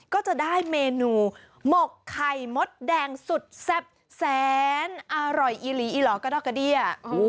ก็จะได้เมนูหมกไข่มดแดงสุดแซ่บแสนอร่อยอีหลีอีหลอกระดอกกระเดี้ย